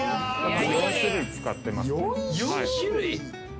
４種類使ってますね。